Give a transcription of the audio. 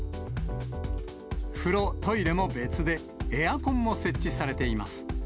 風呂、トイレも別でエアコンも設置されています。